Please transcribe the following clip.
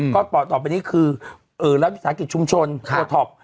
ก็ต่อไปนี่คือแล้วศาลกิจชุมชนโทรท็อป